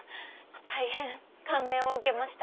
大変感銘を受けました。